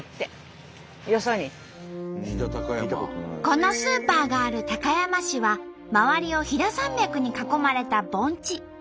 このスーパーがある高山市は周りを飛騨山脈に囲まれた盆地。